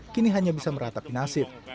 kini hanya bisa meratapi nasib